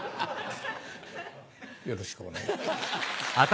よろしくお願いします。